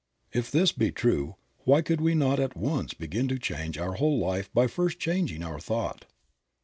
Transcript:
If this be true, why could we not at once begin to change our whole life by first changing our thought?